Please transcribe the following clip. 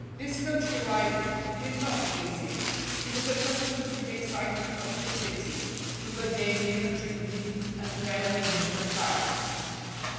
This country life did not please him. He was accustomed to the excitement of the city, to the gaming and drinking and fair women of Paris.